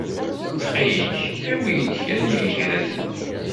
Ttxil-k, awi-iyi-d kra n yigraten.